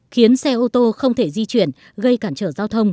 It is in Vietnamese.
khiến xe ô tô không thể di chuyển gây cản trở giao thông